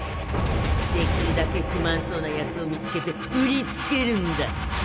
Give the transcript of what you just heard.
できるだけ不満そうなやつを見つけて売りつけるんだ。